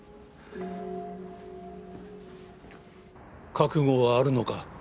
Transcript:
覚悟はあるのか？